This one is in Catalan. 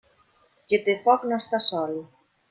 Qui té foc no està sol.